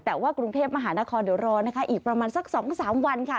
แต่ว่ากรุงเทพมหานครเดี๋ยวรอนะคะอีกประมาณสัก๒๓วันค่ะ